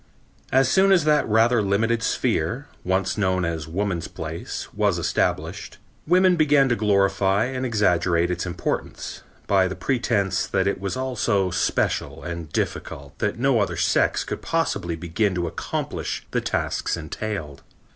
As soon as that rather limited sphere, once known as woman's place, was established, women began to glorify and exaggerate its importance, by the pretense that it was all so special and difficult that no other sex could possibly begin to accomplish the tasks entailed.